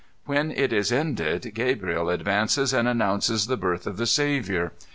When it is ended, Gabrid advances and announces the birth of the Saviour.